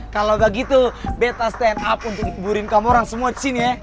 kalau gak gitu beta stand up untuk nyeburin kamu orang semua disini ya